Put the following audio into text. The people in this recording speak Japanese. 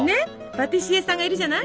パティシエさんがいるじゃない？